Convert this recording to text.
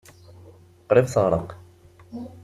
Qrib teɣreq.